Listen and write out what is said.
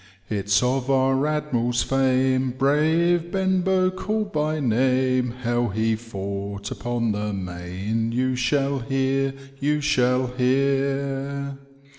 It*s of our admiral's fame, Brave Bcnbow caird by name, How he fought upon the main, You shall hear, you shall hear.